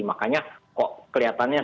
makanya kok kelihatannya